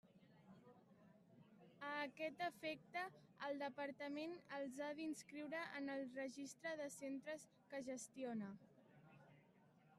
A aquest efecte, el Departament els ha d'inscriure en el registre de centres que gestiona.